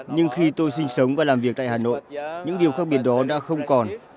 nhưng khi tôi sinh sống và làm việc tại hà nội những điều khác biệt đó đã không còn